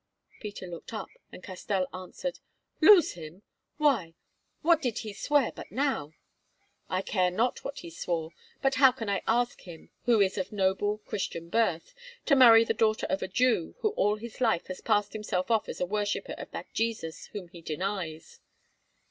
Peter looked up, and Castell answered: "Lose him! Why, what did he swear but now?" "I care not what he swore; but how can I ask him, who is of noble, Christian birth, to marry the daughter of a Jew who all his life has passed himself off as a worshipper of that Jesus Whom he denies?"